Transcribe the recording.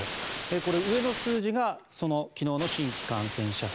これ、上の数字が昨日の新規感染者数。